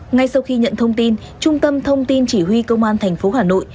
ngay sau khi nhận thông tin trung tâm thông tin chỉ huy công an tp hà nội